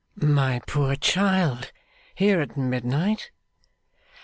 'My poor child! Here at midnight?